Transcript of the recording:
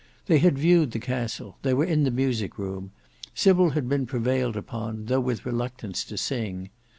They had viewed the castle, they were in the music room, Sybil had been prevailed upon, though with reluctance, to sing.